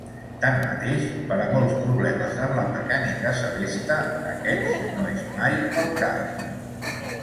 Tanmateix, per a molts problemes en la mecànica celeste, aquest no és mai el cas.